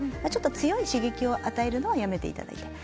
強い刺激を与えるのはやめていただきたい。